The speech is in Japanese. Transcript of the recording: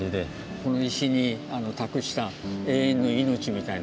この石に託した永遠の命みたいなもの